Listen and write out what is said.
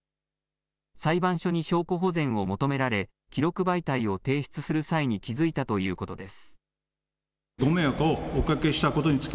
裁判所に証拠保全を求められ、記録媒体を提出する際に気付いたということです。